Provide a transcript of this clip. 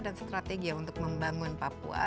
dan strategi untuk membangun papua